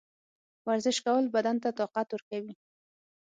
ورزش کول بدن ته طاقت ورکوي.